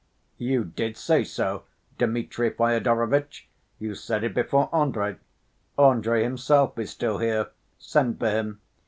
"You did say so, Dmitri Fyodorovitch. You said it before Andrey. Andrey himself is still here. Send for him.